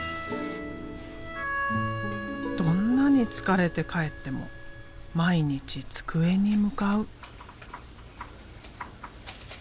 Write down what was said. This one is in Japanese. どんなに疲れて帰っても毎日机に向かう。